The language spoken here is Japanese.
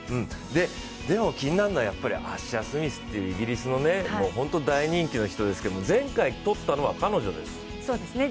でも気になるのはアッシャー・スミスというイギリスの大人気の人ですけど前回取ったのは彼女です。